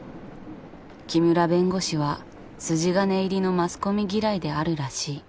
木村弁護士は筋金入りのマスコミ嫌いであるらしい。